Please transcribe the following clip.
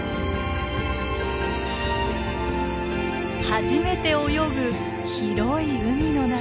初めて泳ぐ広い海の中。